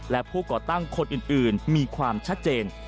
และผู้ก่อตั้งคนอื่นมีความชัดเจน